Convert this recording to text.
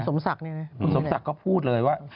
คุณสมศักดิ์เนี่ยนะคุณสมศักดิ์ก็พูดเลยว่า